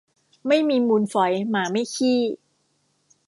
ไม่มีมูลฝอยหมาไม่ขี้